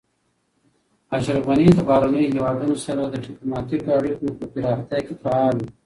اشرف غني د بهرنیو هیوادونو سره د ډیپلوماتیکو اړیکو په پراختیا کې فعال و.